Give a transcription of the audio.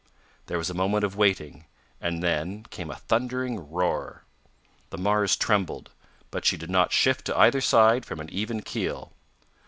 There was a moment of waiting, and then came a thundering roar. The Mars trembled, but she did not shift to either side from an even keel.